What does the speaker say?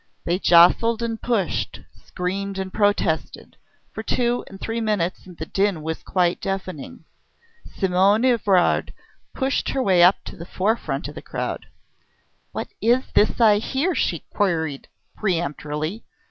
They jostled and pushed, screamed and protested. For two or three minutes the din was quite deafening. Simonne Evrard pushed her way up to the forefront of the crowd. "What is this I hear?" she queried peremptorily.